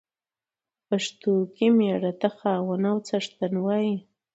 په پښتو کې مېړه ته خاوند او څښتن وايي.